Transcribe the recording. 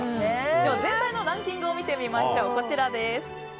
全体のランキングを見てみましょう。